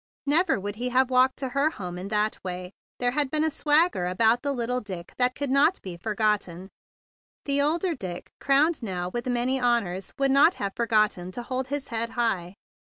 Never would he have walked to her home in that way. There had been a swagger about little Dick that could not be forgotten. The older Dick, crowned now with many honors, would not have forgotten to hold his head high.